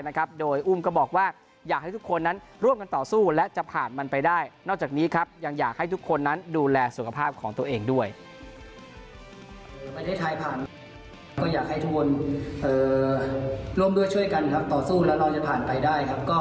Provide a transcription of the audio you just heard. ไม่ได้ไทยผ่านไตกวัลเพราะตอนนี้อยากทุกคนร่วมด้วยช่วยกันกับต่อสู้และพบไปได้